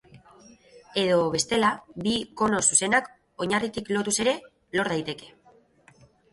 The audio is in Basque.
Edo, bestela, bi kono zuzenak oinarritik lotuz ere lor daiteke.